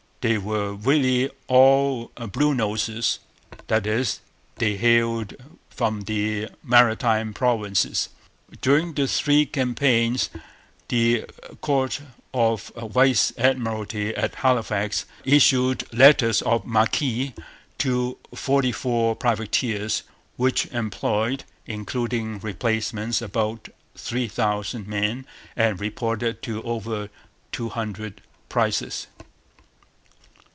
They were nearly all 'Bluenoses;' that is, they hailed from the Maritime Provinces. During the three campaigns the Court of Vice Admiralty at Halifax issued letters of marque to forty four privateers, which employed, including replacements, about three thousand men and reported over two hundred prizes.